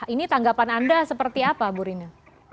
ini tanggapan anda seperti apa bu rina